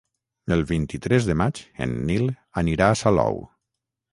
El vint-i-tres de maig en Nil anirà a Salou.